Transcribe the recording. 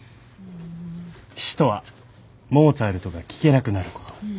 「死とはモーツァルトが聴けなくなること」